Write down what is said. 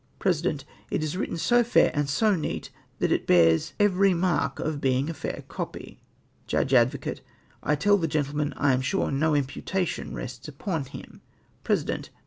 President. —" It is written so fair and so neat that it bears every mark of being a fair copyf'' Judge Advocate. —"/ tell the gentleman I am sure no imputation rests upon himP'' President.